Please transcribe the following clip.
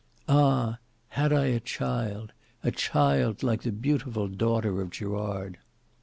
"Ah! had I a child—a child like the beautiful daughter of Gerard!"